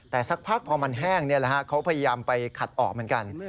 แต่สักพักพอมันแห้งเขาพยายามไปขัดออกเหมือนกัน